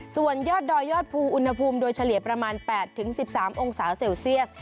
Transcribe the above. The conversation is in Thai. ส่วนยอดดอยยอดภูอุณหภูมิโดยเฉลี่ยประมาณ๘๑๓องศาเซลเซียส